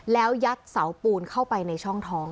แล้วยัดเสาปูนเข้าไปในช่องท้อง